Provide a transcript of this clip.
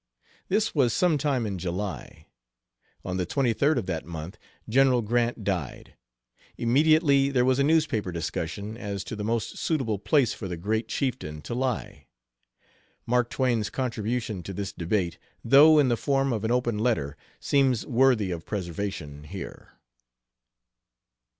This was some time in July. On the 23d of that month General Grant died. Immediately there was a newspaper discussion as to the most suitable place for the great chieftain to lie. Mark Twain's contribution to this debate, though in the form of an open letter, seems worthy of preservation here.